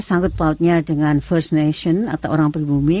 sanggup pautnya dengan first nation atau orang perumumi